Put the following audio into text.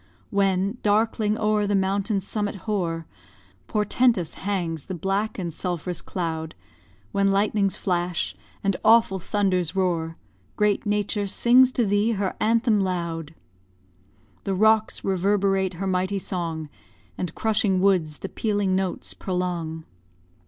When, darkling o'er the mountain's summit hoar, Portentous hangs the black and sulph'rous cloud, When lightnings flash, and awful thunders roar, Great Nature sings to thee her anthem loud. The rocks reverberate her mighty song, And crushing woods the pealing notes prolong.